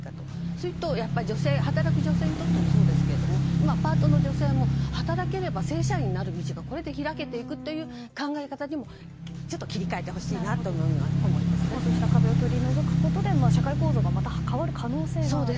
すると働く女性にとってもそうですけど今、パートの女性も働ければ正社員になる道がこれで開けていく考え方にもそうした壁を取り除くことで社会構造が変わる可能性があると。